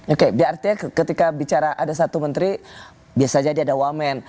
oke artinya ketika bicara ada satu menteri biasa jadi ada wamen